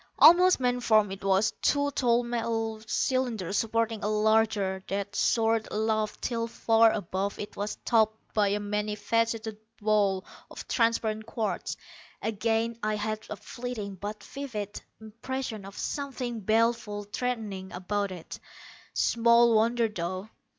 Almost man form it was two tall metal cylinders supporting a larger, that soared aloft till far above it was topped by a many faceted ball of transparent quartz. Again I had a fleeting, but vivid, impression of something baleful, threatening, about it. Small wonder, though.